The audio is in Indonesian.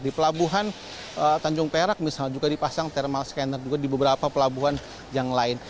di pelabuhan tanjung perak misalnya juga dipasang thermal scanner juga di beberapa pelabuhan yang lain